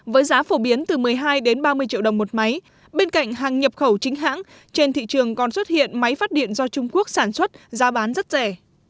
với giá phổ biến từ một mươi hai ba mươi triệu đồng một máy bên cạnh hàng nhập khẩu chính hãng trên thị trường còn xuất hiện máy phát điện do trung quốc sản xuất giá bán rất rẻ